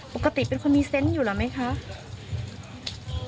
ปกติเป็นคนมีเซนต์อยู่แล้วไหมคะ